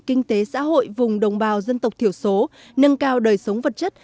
kinh tế xã hội vùng đồng bào dân tộc thiểu số nâng cao đời sống vật chất